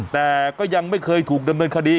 แต่ก็ยังไม่เคยถูกดำเนินคดี